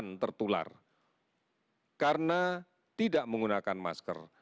korban tertular karena tidak menggunakan masker